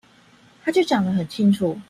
他就講得很清楚